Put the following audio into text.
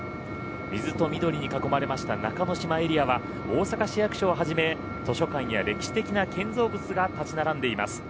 水と緑に囲まれました中之島エリアは大阪市役所をはじめ図書館や歴史的な建造物が立ち並んでいます。